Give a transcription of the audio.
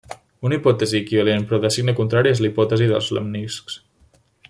Una hipòtesi equivalent però de signe contrari és la Hipòtesi dels lemniscs.